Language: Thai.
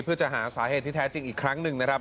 เพื่อจะหาสาเหตุที่แท้จริงอีกครั้งหนึ่งนะครับ